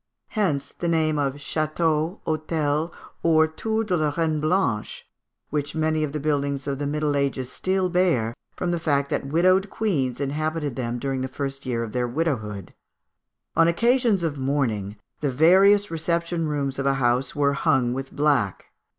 Hence the name of château, hôtel, or tour de la Reine Blanche, which many of the buildings of the Middle Ages still bear, from the fact that widowed queens inhabited them during the first year of their widowhood. On occasions of mourning, the various reception rooms of a house were hung with black.